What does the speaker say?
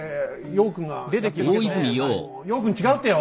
洋君違うってよ。